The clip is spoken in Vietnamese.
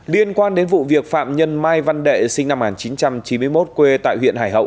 liên quan đến vụ việc phạm nhân mai văn đệ sinh năm một nghìn chín trăm chín mươi một quê tại huyện hải hậu